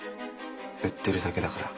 売ってるだけだから。